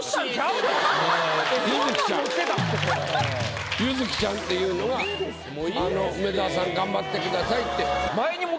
優月ちゃん優月ちゃんっていうのが「梅沢さん頑張ってください」って。